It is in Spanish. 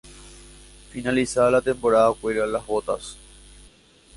Finalizada la temporada cuelga las botas.